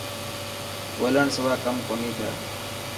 ٻولڻ سوا ڪم ڪوني ٿي.